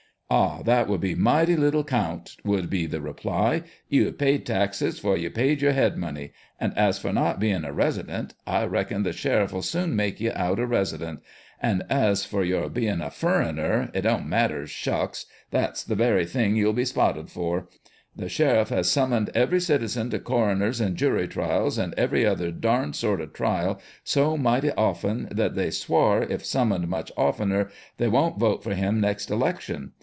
" Ah, that would be mighty little 'count," would be the reply ;" you hev paid taxes, for you paid your head money ; and as for not being a resi dent, I reckon the sheriff '11 soon make ye out a residence ; and as for your being a furrener, it don't matter shucks ; that's the very thing you'll be spotted for. The sheriff has sum moned every citizen to coroners' and jury trials, and every other darned sort of trial, so mighty often, that they swar, if summoned much oftener, they won't vote for him next election.